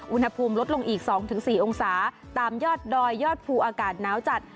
อุณหภูมิลดลงอีก๒๔องศาตามยอดดอยยอดภูอากาศหนาวจัด